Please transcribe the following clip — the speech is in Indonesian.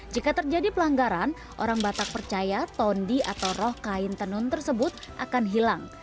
jika terjadi pelanggaran orang batak percaya tondi atau roh kain tenun tersebut akan hilang